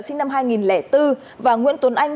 sinh năm hai nghìn bốn và nguyễn tuấn anh